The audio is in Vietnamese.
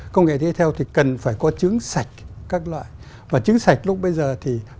công nghệ kế theo thì cần phải có chứng sạch các loại